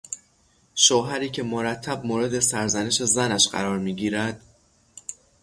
شوهری که مرتب مورد سرزنش زنش قرار میگیرد